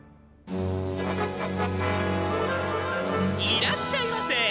いらっしゃいませ。